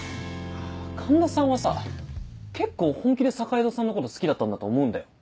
環田さんはさ結構本気で坂井戸さんのこと好きだったんだと思うんだよ。